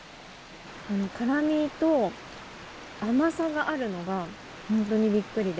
辛みと甘さがあるのが本当にビックリで。